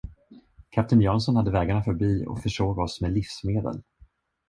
Kapten Jansson hade vägarna förbi och försåg oss med livsmedel.